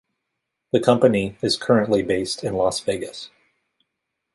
The company is currently based in Las Vegas.